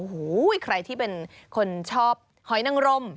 โอ้โหใครที่เป็นคนชอบหอยนังรม